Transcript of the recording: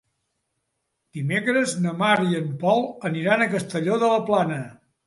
Dimecres na Mar i en Pol aniran a Castelló de la Plana.